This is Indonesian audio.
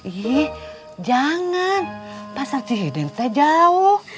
ih jangan pasar cihideng jauh